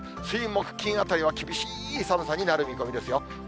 水、木、金あたりは厳しい寒さになる見込みですよ。